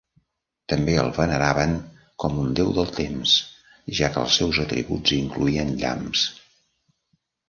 També el veneraven com un déu del temps, ja que els seus atributs incloïen llamps.